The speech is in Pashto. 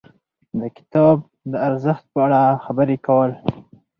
د کتاب د ارزښت په اړه خبرې کول.